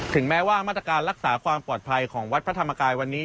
แม้ว่ามาตรการรักษาความปลอดภัยของวัดพระธรรมกายวันนี้